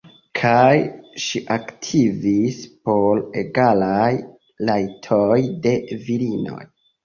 Kaj ŝi aktivis por egalaj rajtoj de virinoj.